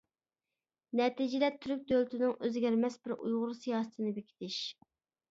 نەتىجىدە تۈرك دۆلىتىنىڭ ئۆزگەرمەس بىر ئۇيغۇر سىياسىتىنى بېكىتىش.